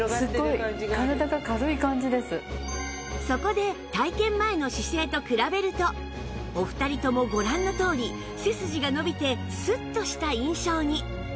そこで体験前の姿勢と比べるとお二人ともご覧のとおり背筋が伸びてスッとした印象に